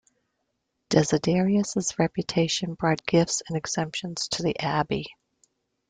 Desiderius' reputation brought gifts and exemptions to the abbey.